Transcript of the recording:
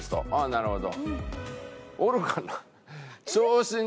なるほど。